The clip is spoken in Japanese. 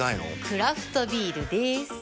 クラフトビールでーす。